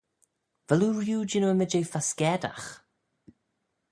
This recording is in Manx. Vel oo rieau jannoo ymmyd jeh fascaidagh?